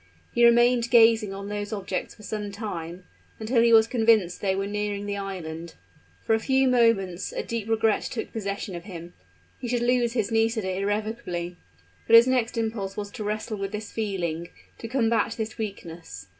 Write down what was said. He remained gazing on those objects for some time, until he was convinced they were nearing the island. For a few moments a deep regret took possession of him: he should lose his Nisida irrevocably! But his next impulse was to wrestle with this feeling to combat this weakness.